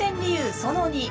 その２。